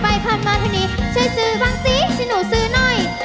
พันไปพันมาทันีช่วยซื้อบ้างซิช่วยหนูซื้อหน่อย